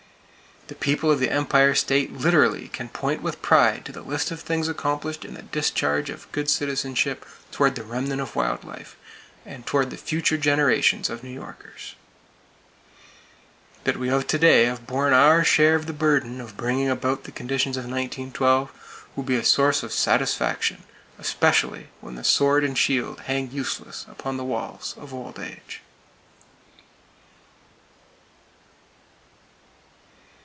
The people of the Empire State literally can point with pride to the list of things accomplished in the discharge of good citizenship toward the remnant of wild life, and toward the future generations of New Yorkers. That we of to day have borne our share of the burden of bringing about the conditions of 1912, will be a source of satisfaction, especially when the sword and shield hang useless upon the walls of Old Age.